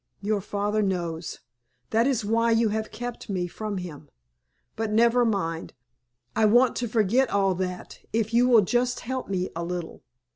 Your father knows. That is why you have kept me from him. But never mind, I want to forget all that if you will just help me a little.